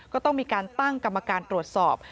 ก็ต้องมีการตั้งกรรมการตรวจสอบ